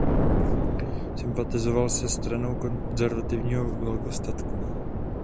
Sympatizoval se Stranou konzervativního velkostatku.